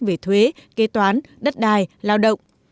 về thuế kế toán đất đài lao động